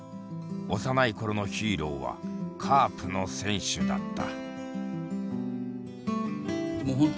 幼い頃のヒーローはカープの選手だった。